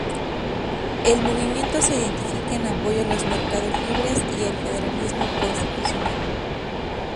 El movimiento se identifica en apoyo a los mercados libres y el federalismo constitucional.